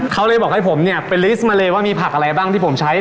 เขาเลยบอกให้ผมเนี่ยไปลิสต์มาเลยว่ามีผักอะไรบ้างที่ผมใช้